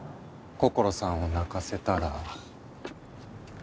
こころさんを泣かせたら。